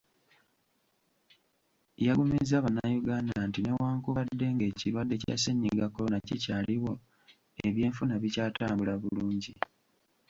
Yaggumiza bannayuganda nti newankubadde ng’ekirwadde kya sennyiga Corona kikyaliwo, ebyenfuna bikyatambula bulungi.